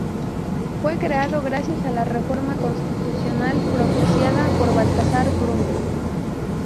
Fue creado gracias a la reforma constitucional propiciada por Baltasar Brum.